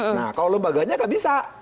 nah kalau lembaganya gak bisa